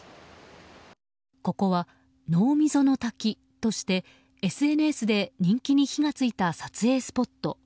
ここは濃溝の滝としてＳＮＳで人気に火が付いた撮影スポット。